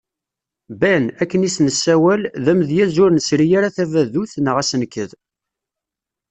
Ben, akken i as-nessawal, d amedyaz ur nesri ara tabadut neɣ asenked.